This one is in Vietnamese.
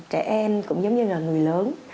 trẻ em cũng giống như là người lớn